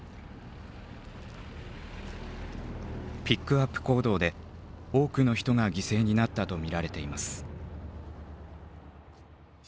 ピックアップ行動で多くの人が犠牲になったと見られています。